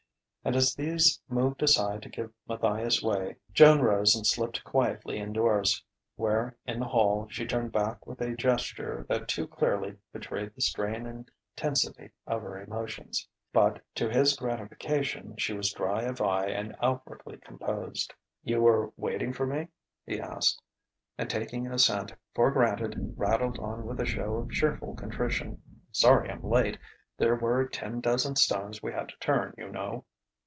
And as these moved aside to give Matthias way, Joan rose and slipped quietly indoors, where in the hall she turned back with a gesture that too clearly betrayed the strain and tensity of her emotions; but, to his gratification, she was dry of eye and outwardly composed. "You were waiting for me?" he asked; and taking assent for granted rattled on with a show of cheerful contrition: "Sorry I'm late. There were ten dozen stones we had to turn, you know."